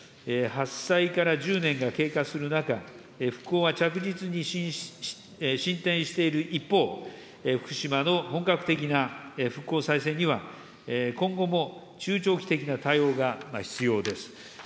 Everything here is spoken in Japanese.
発災から１０年が経過する中、復興は着実に進展している一方、福島の本格的な復興再生には、今後も中長期的な対応が必要です。